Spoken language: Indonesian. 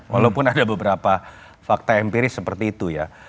walaupun ada beberapa fakta empiris seperti itu ya